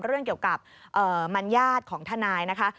เรื่องเกี่ยวกับมัญญาติของทนายนะคะ